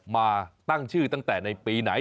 มาตั้งชื่อตั้งแต่ในปีไหน